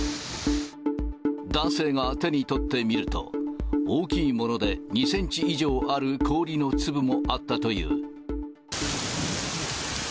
男性が手に取ってみると、大きいもので２センチ以上ある氷の粒もあったという。